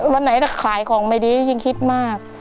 วันไหนขายของไม่ดียิ่งคิดมาก